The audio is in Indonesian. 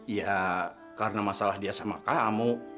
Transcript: ya karena masalah dia sama kamu